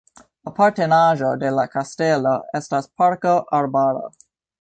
Apartenaĵo de la kastelo estas parko-arbaro.